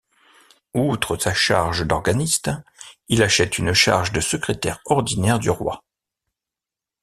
Outre sa charge d’organiste, il achète une charge de Secrétaire ordinaire du roi.